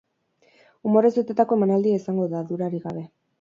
Umorez betetako emanaldia izango da, dudarik gabe.